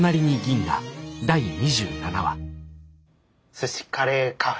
「すしカレーカフェ」